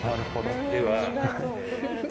では。